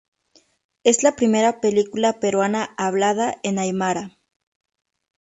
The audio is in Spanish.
Es la primera película peruana hablada en aymara.